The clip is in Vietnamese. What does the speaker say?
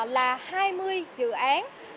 và hai mươi dự án